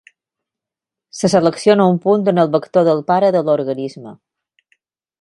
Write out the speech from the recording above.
Se selecciona un punt en el vector del pare de l'organisme.